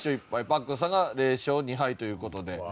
パックンさんが０勝２敗という事で。